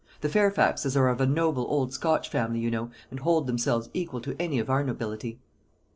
The Fairfaxes are of a noble old Scotch family, you know, and hold themselves equal to any of our nobility."